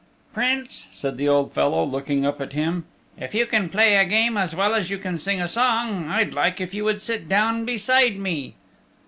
"Prince," said the old fellow looking up at him, "if you can play a game as well as you can sing a song, I'd like if you would sit down beside me."